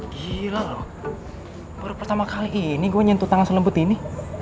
gila loh baru pertama kali ini gue nyentuh tangan selembut ini